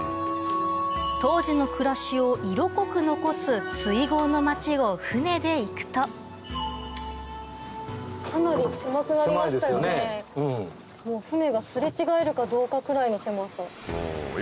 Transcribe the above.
当時の暮らしを色濃く残す水郷の町を舟で行くと舟が擦れ違えるかどうかくらいの狭さ。